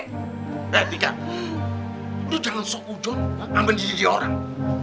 eh tika lu jangan sok ujon ambil diri orang